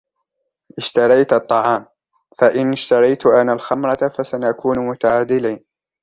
اشتريتَ الطعام ، فإن اشتريتُ أنا الخمرة فسنكون متعادلين.